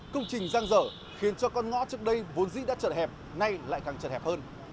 công trình giang rở khiến cho con ngõ trước đây vốn dĩ đã trật hẹp nay lại càng trật hẹp hơn